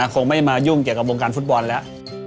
คงไม่มายุ่งเกี่ยวกับวงการฟุตบอลแล้ว